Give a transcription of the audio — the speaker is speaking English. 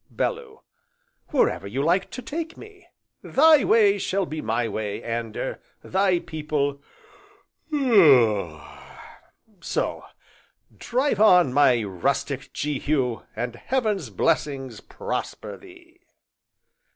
BELLEW. Wherever you like to take me; Thy way shall be my way, and er thy people So drive on, my rustic Jehu, and Heaven's blessings prosper thee!